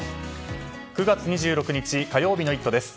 ９月２６日、火曜日の「イット！」です。